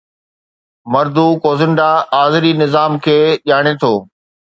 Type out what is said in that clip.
مردوڪوزنڊا آذري نظام کي ڄاڻي ٿو